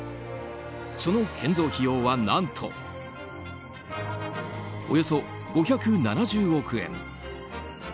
その建造費用は何とおよそ５７０億円。